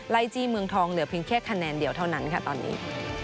จี้เมืองทองเหลือเพียงแค่คะแนนเดียวเท่านั้นค่ะตอนนี้